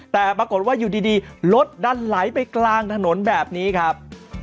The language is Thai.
แต่ปรากฏว่าอยู่ดีรถดันไหลไปกลางถนนแบบนี้ครับ